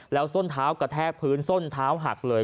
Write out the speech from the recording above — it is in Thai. แล้วส้นเท้ากระแทกพื้นส้นเท้าหักเลย